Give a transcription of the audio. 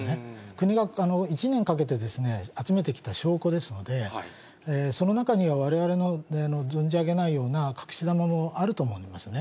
国が１年かけて集めてきた証拠ですので、その中にはわれわれの存じ上げないような隠し玉もあると思いますね。